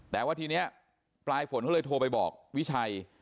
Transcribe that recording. แต่ว่าทีนี้ปลายฝนเขาเลยโทรไปบอกวิชัย